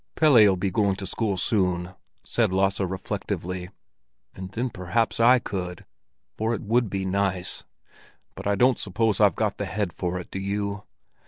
"Pelle'll be going to school soon," said Lasse reflectively. "And then perhaps I could—for it would be nice. But I don't suppose I've got the head for it, do you?